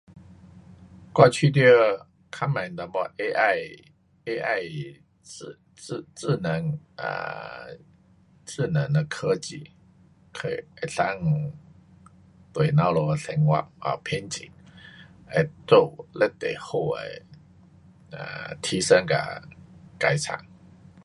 我觉得较慢一点 AI, AI 智，智，智能 um 智能的科技可以，能够对我们的生活便近。会做非常好的提升跟该厂。